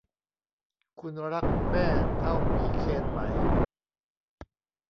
คุณรักแม่เท่าหมีเคนไหม